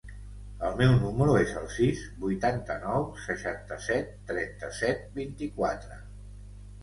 El meu número es el sis, vuitanta-nou, seixanta-set, trenta-set, vint-i-quatre.